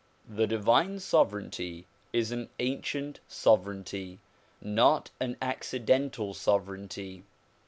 THE divine sovereignty is an ancient sovereignty not an acci dental sovereignty.